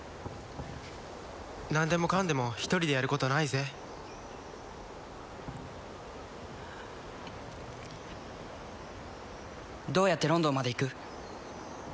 何でもかんでも一人でやることないぜどうやってロンドンまで行く？